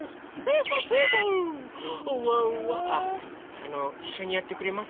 あのいっしょにやってくれますか？